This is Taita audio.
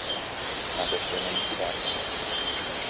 Nambe sena ni kiding’a